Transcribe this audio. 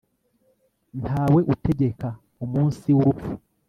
nta we utegeka umunsi w'urupfu